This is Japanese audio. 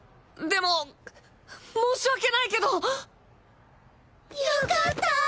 でも申し訳ないけど。よかった！